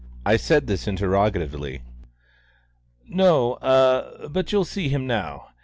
I said this interrogatively. "No, ah but you'll see him now.